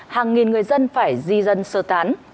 hàng nghìn người dân phải di dân sơ tán